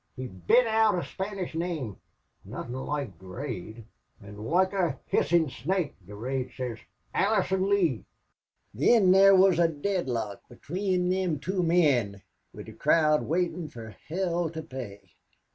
He bit out a Spanish name, nothin' loike Durade. "An' loike a hissin' snake Durade sez, 'Allison Lee!' "Thin there wuz a dead lock between thim two men, wid the crowd waitin' fer hell to pay.